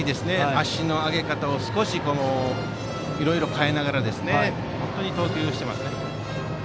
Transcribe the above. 足の上げ方をいろいろ変えながら投球していますね。